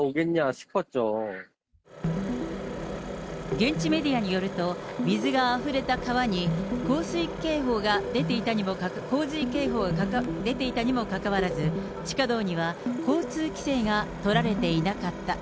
現地メディアによると、水があふれた川に、洪水警報が出ていたにもかかわらず、地下道には交通規制が取られていなかった。